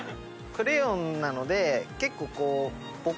クレヨンなので結構ぼかして。